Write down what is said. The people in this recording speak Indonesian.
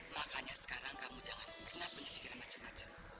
makanya sekarang kamu jangan pernah punya pikiran macam macam